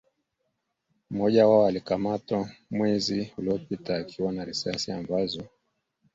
mmoja wao alikamatwa mwezi uliopita akiwa na risasi ambazo